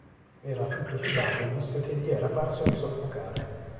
Era tutto sudato e disse che gli era parso di soffocare.